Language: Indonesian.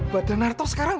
badan narto sekarang